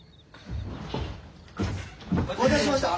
・・お待たせしました。